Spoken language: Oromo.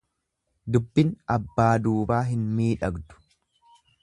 Dubbin abbaa duubaa hin miidhagdu.